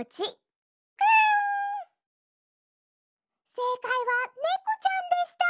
せいかいはねこちゃんでした！